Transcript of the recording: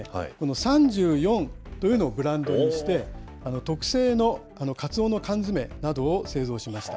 ３４というのをブランドにして、特製のかつおの缶詰などを製造しました。